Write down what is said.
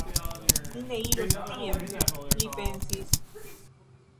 Mi ne iros tien, li pensis.